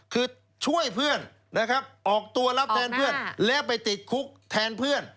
คือช่วยเพื่อนนะครับออกตัวรับแทนเพื่อนแล้วไปติดคุกแทนเพื่อน